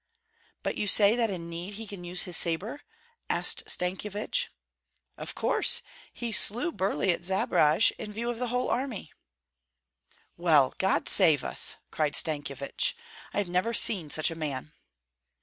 "But you say that in need he can use his sabre?" asked Stankyevich. "Of course! He slew Burlei at Zbaraj, in view of the whole army." "Well, God save us!" cried Stankyevich, "I have never seen such a man."